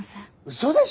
嘘でしょ！？